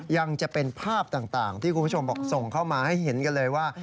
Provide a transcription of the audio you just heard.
ยังจะเป็นภาพต่างที่คุณผู้ชมบอกส่งเข้ามาให้เห็นกันเลยว่า